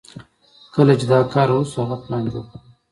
کله چې دا کار وشو هغه پلان جوړ کړ.